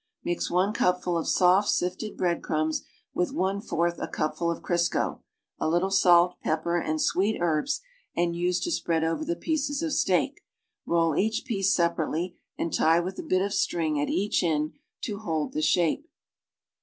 Mix one cup ful of soft, sifted bread crumbs with one fourth a cupful of Crisco, a little salt pepper and sweet herbs and use to spread over the pieces of steak; roll each piece separately and tie with a bit of string at each end to hold in shape.